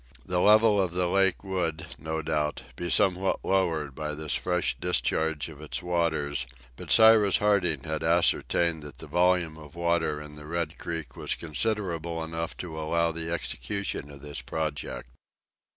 The level of the lake would, no doubt, be somewhat lowered by this fresh discharge of its waters, but Cyrus Harding had ascertained that the volume of water in the Red Creek was considerable enough to allow of the execution of this project.